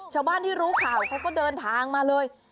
ชาวบ้านที่รู้ข่าวเขาก็เดินทางมาเลย